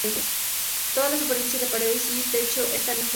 Toda la superficie de paredes y techo esta en juego.